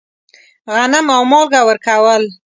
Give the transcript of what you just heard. غنم او مالګه ورکول.